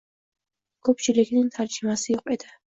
Ko'pchilikning tarjimasi yo'q edi